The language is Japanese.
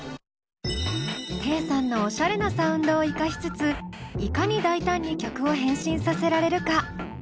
テイさんのおしゃれなサウンドを生かしつついかに大胆に曲を変身させられるか？